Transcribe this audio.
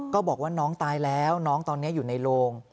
ก็บอกว่าน้องตายแล้วน้องตอนนี้อยู่ในโรง